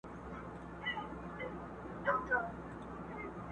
کرۍ ورځ به وه په نجونو کي خندانه،